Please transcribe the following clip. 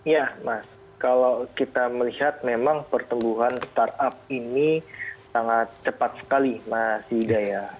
ya mas kalau kita melihat memang pertumbuhan startup ini sangat cepat sekali mas hidaya